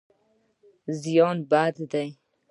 زیان بد دی.